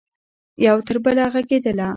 یو تربله ږغیدله